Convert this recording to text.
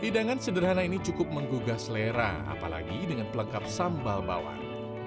hidangan sederhana ini cukup menggugah selera apalagi dengan pelengkap sambal bawang